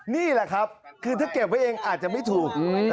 นี่แหละครับคือถ้าเก็บไว้เองอาจจะไม่ถูก